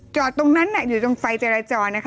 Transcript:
จอดตรงนั้นอยู่ตรงไฟจราจรนะคะ